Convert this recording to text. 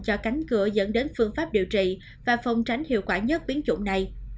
cho cánh cửa dẫn đến phương pháp điều trị và phòng tránh hiệu quả nhất biến chủng này